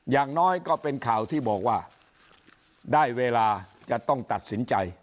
อย่างน้อยก็เป็นข่าวที่บอกว่าได้เวลาจะต้องตัดสินใจ